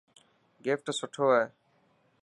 گفٽ سٺو هي.